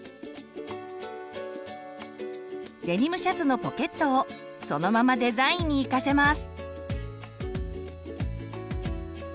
デニムシャツのポケットをそのままデザインに生かせます。